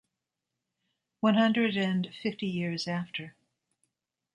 One Hundred and fifty years after.